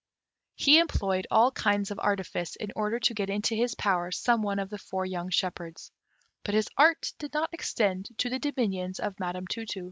He employed all kinds of artifice in order to get into his power some one of the four young shepherds, but his art did not extend to the dominions of Madam Tu tu.